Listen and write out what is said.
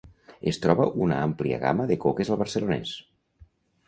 Es troba una àmplia gamma de coques al Barcelonès.